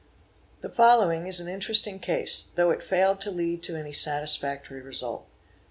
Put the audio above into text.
The following is an interesting case, though it failed to lead to any Satisfactory result.